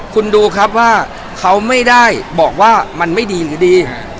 คุณดูครับว่าเขาไม่ได้บอกว่ามันไม่ดีหรือดี